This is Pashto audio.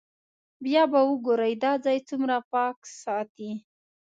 بیا به وګورئ دا ځای څومره پاک ساتي.